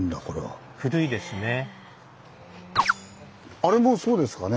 あれもそうですかね？